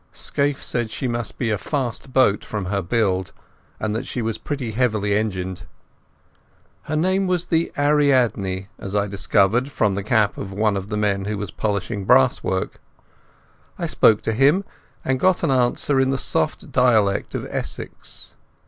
Scaife said she must be a fast boat for her build, and that she was pretty heavily engined. Her name was the Ariadne, as I discovered from the cap of one of the men who was polishing brasswork. I spoke to him, and got an answer in the soft dialect of Essex.